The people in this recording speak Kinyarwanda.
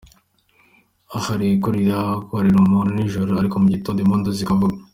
Ahari kurira kwararira umuntu nijoro, ariko mu gitondo impundu zikavuga.